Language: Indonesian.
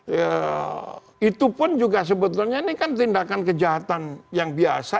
ya itu pun juga sebetulnya ini kan tindakan kejahatan yang biasa